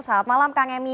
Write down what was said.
selamat malam kang emil